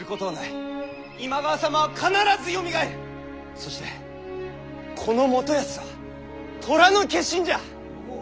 そしてこの元康は寅の化身じゃ。